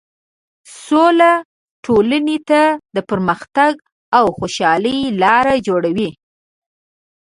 سوله ټولنې ته د پرمختګ او خوشحالۍ لاره جوړوي.